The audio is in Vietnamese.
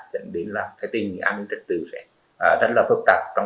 dẫn đến là cái tình hình an ninh trật tự sẽ rất là phức tạp